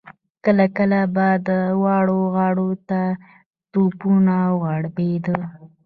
کله کله به دواړو غاړو ته توپونه وغړمبېدل.